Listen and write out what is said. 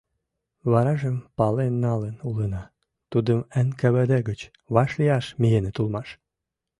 Варажым пален налын улына: тудым НКВД гыч вашлияш миеныт улмаш...